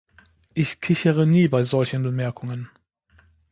Ich kichere nie bei solchen Bemerkungen.